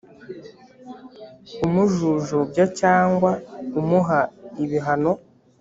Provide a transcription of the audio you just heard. umujujubya cyangwa umuha ibihano